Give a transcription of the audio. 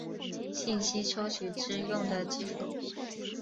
信息抽取之用的技术。